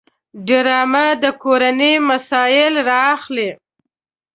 ډرامه د کورنۍ مسایل راخلي